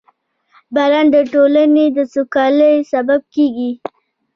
• باران د ټولنې د سوکالۍ سبب کېږي.